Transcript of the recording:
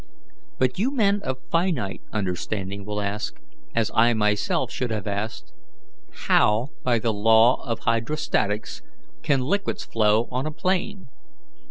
"But you men of finite understanding will ask, as I myself should have asked, How, by the law of hydrostatics, can liquids flow on a plane?